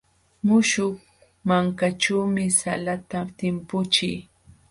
Muśhuq mankaćhuumi salata timpuchii.